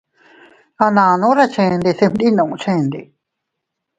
A nannu reʼe chende se fninduu chende.